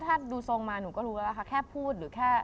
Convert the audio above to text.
ถ้าดูทางมาก็รู้แล้วแค่พูด